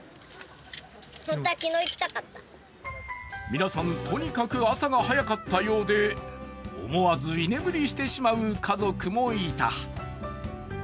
皆さん、とにかく朝が早かったようで思わず居眠りしてしまう家族もいた。